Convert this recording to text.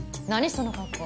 その格好。